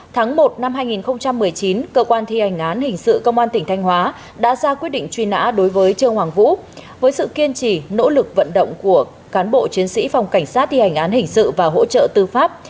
tháng một năm hai nghìn một mươi chín cơ quan thi hành án hình sự công an tỉnh thanh hóa đã ra quyết định truy nã đối với trương hoàng vũ với sự kiên trì nỗ lực vận động của cán bộ chiến sĩ phòng cảnh sát thi hành án hình sự và hỗ trợ tư pháp